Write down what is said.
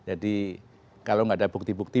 jadi kalau gak ada bukti bukti